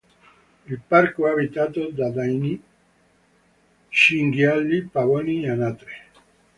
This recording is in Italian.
Il parco è abitato da daini, cinghiali, pavoni, anatre.